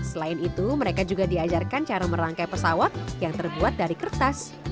selain itu mereka juga diajarkan cara merangkai pesawat yang terbuat dari kertas